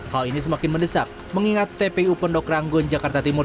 hal ini semakin mendesak mengingat tpu pondok ranggon jakarta timur